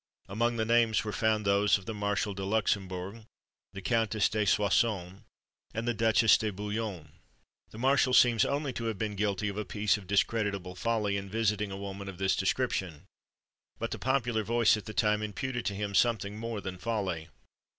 Among the names were found those of the Marshal de Luxembourg, the Countess de Soissons, and the Duchess de Bouillon. The marshal seems only to have been guilty of a piece of discreditable folly in visiting a woman of this description, but the popular voice at the time imputed to him something more than folly.